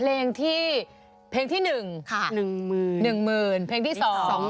สวัสดีค่ะสวัสดีค่ะ